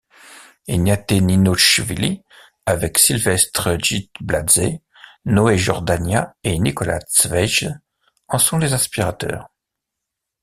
Egnaté Ninochvili, avec Sylvestre Djibladzé, Noé Jordania et Nicolas Tcheidze en sont les inspirateurs.